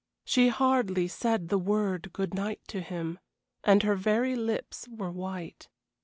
She hardly said the word good night to him, and her very lips were white.